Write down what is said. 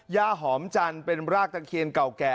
ย่าหอมจันทร์เป็นรากตะเคียนเก่าแก่